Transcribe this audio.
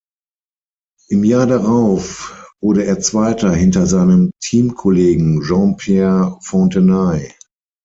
Im Jahr darauf wurde er Zweiter hinter seinem Teamkollegen Jean-Pierre Fontenay.